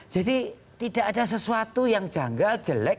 jadi tidak ada sesuatu yang janggal jelek